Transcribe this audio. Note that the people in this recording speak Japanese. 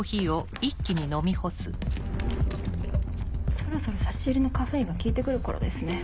そろそろ差し入れのカフェインが効いて来る頃ですね。